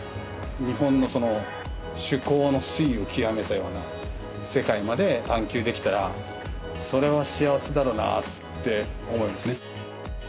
日本の趣向の粋を極めたような世界まで探求できたらそれは幸せだろうなって思いますね